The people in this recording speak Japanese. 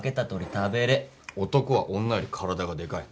男は女より体がでかい。